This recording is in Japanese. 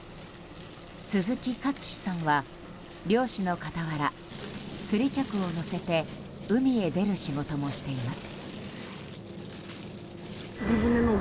鈴木勝司さんは漁師の傍ら釣り客を乗せて海へ出る仕事もしています。